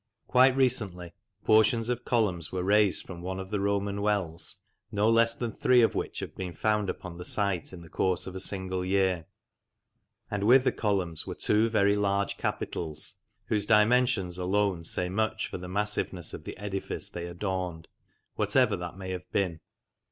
Quite recently portions of columns were raised from one of the Roman wells, no less than three of which have been found upon the site in the course of a single year; and with the columns were two very large capitals, whose dimensions alone say much for the massiveness of the edifice they adorned, whatever that may have been.